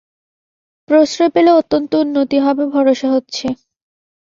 প্রশ্রয় পেলে অত্যন্ত উন্নতি হবে ভরসা হচ্ছে।